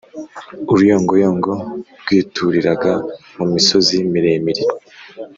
uruyongoyongo rwituriraga mu misozi miremire